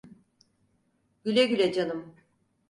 Güle güle canım.